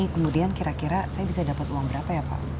kemudian kira kira saya bisa dapat uang berapa